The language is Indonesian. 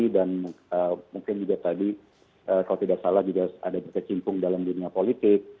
dan mungkin juga tadi kalau tidak salah juga ada di kecimpung dalam dunia politik